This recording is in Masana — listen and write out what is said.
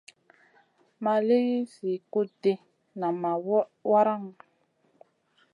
May liw zi kuɗ ɗi, nam ma waraŋu.